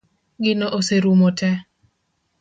Gino oserumo tee